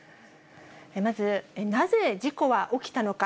まず、なぜ事故は起きたのか。